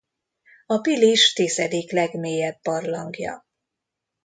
A Pilis tizedik legmélyebb barlangja.